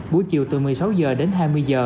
buổi chiều từ một mươi sáu h đến hai mươi h